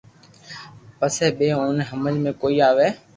پسي بي اوني ھمج مي ڪوئي آوي